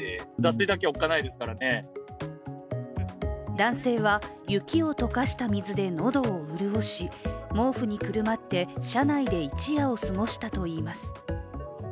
男性や雪を解かした水で喉を潤し、毛布にくるまって、車内で一夜を過ごしたといいます。